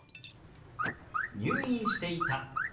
「入院していた」。